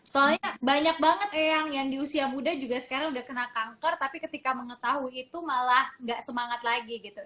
soalnya banyak banget eyang yang di usia muda juga sekarang udah kena kanker tapi ketika mengetahui itu malah gak semangat lagi gitu